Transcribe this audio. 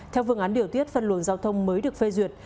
theo vương án điều tuyết phân luồng giao thông mới được phê duyệt